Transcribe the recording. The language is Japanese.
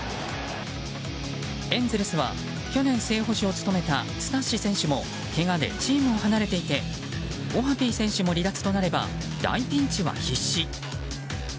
エンゼルスは去年、正捕手を務めたスタッシ選手もけがでチームを離れていてオハピー選手も離脱となれば大ピンチは必至。